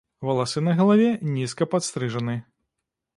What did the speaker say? Валасы на галаве нізка падстрыжаны.